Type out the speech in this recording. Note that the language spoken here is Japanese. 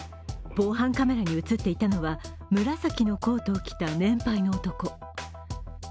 防犯カメラに映っていたのは、紫のコートを着た年配の男。